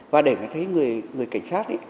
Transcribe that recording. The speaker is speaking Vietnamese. và để thấy người cảnh sát